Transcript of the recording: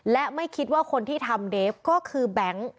และไม่คิดว่าคนที่ทำเดฟก็คือแบงค์